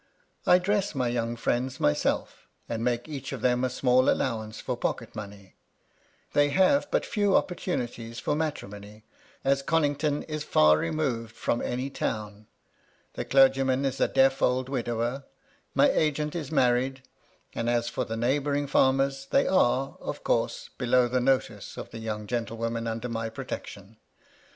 I dress my * young friends myself, and make each of them a small 'allowance for pocket money. They have but few * opportunities for matrimony, as Connington is far re ' moved from any town. The clergyman is a deaf old * widower ; my agent is married ; and as for the neigh * bouring farmers, they are, of course, below the notice * of the young gentlewomen under my protection.